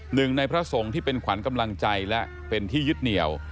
หนึ่งในพระสงฆ์ที่เป็นขวัญกำลังใจและเป็นที่ยึดเหนียว